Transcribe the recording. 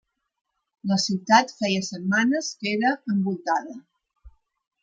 La ciutat feia setmanes que era envoltada.